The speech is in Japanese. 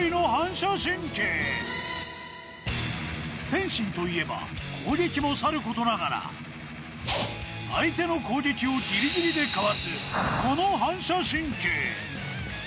天心といえば、攻撃もさることながら、相手の攻撃をギリギリでかわす、この反射神経。